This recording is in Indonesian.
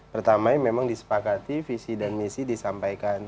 pertamanya memang disepakati visi dan misi disampaikan